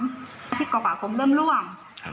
อาทิตย์กว่าผมเริ่มล่วง